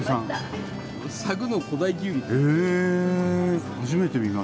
へえ。